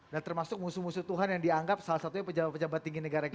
termasuk musuh musuh tuhan yang dianggap salah satunya pejabat pejabat tinggi negara kita